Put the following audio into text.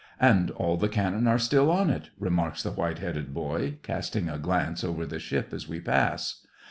*' And all the cannon are still on it," remarks the white headed boy, casting a glance over the ship as we pass.